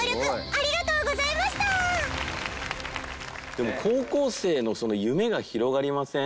でも高校生の夢が広がりません？